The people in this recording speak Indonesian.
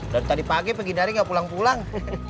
dari tadi pagi pergi dari gak pulang pulang